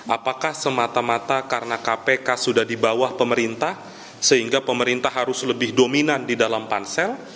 apakah semata mata karena kpk sudah di bawah pemerintah sehingga pemerintah harus lebih dominan di dalam pansel